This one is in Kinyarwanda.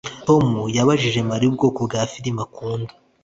Tom yabajije Mariya ubwoko bwa firime akunda